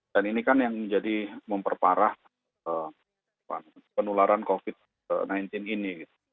dan ini kan yang menjadi memperparah penularan covid sembilan belas ini